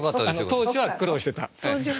当時は苦労して。